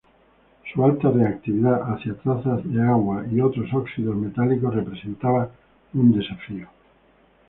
Su alta reactividad hacia trazas de agua y otros óxidos metálicos representaba un desafío.